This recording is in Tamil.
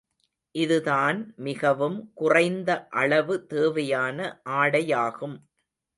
இதுதான் மிகவும் குறைந்த அளவு தேவையான ஆடையாகும்.